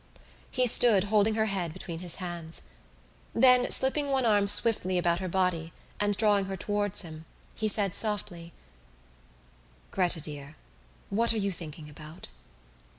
He stood, holding her head between his hands. Then, slipping one arm swiftly about her body and drawing her towards him, he said softly: "Gretta, dear, what are you thinking about?"